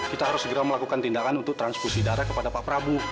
kita harus segera melakukan tindakan untuk transfusi darah kepada pak prabowo